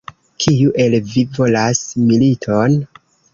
Kiu el vi volas militon?